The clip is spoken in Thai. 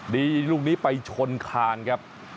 ลูกนี้ไปชนคานครับ